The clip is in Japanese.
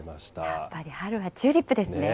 やっぱり春はチューリップですね。